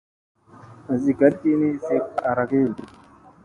Azi ngat ki ni slek ta ara ge.